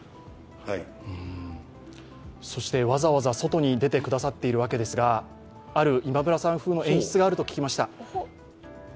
わざわざ外に出てくださっているわけですが、ある今村さん風の演出があると聞きました。